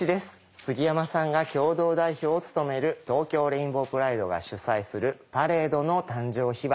杉山さんが共同代表を務める東京レインボープライドが主催するパレードの誕生秘話。